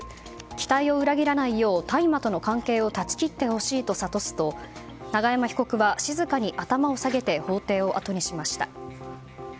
期待を裏切らないよう大麻との関係を断ち切ってほしいと諭すと永山被告は、静かに頭を下げて法廷を後にしました。